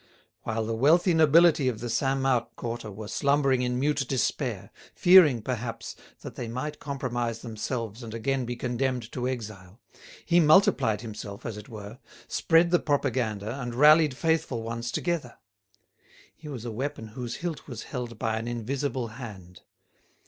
While the wealthy nobility of the Saint Marc quarter were slumbering in mute despair, fearing, perhaps that they might compromise themselves and again be condemned to exile, he multiplied himself, as it were, spread the propaganda and rallied faithful ones together. He was a weapon whose hilt was held by an invisible hand.